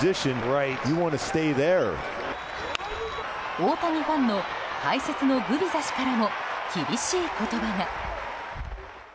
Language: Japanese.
大谷ファンの解説のグビザ氏からも厳しい言葉が。